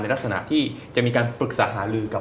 ลักษณะที่จะมีการปรึกษาหาลือกับ